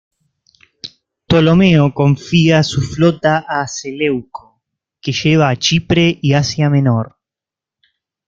Ptolomeo confía su flota a Seleuco, que lleva a Chipre y Asia Menor.